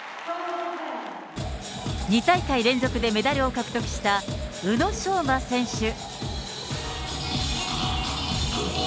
２大会連続でメダルを獲得した宇野昌磨選手。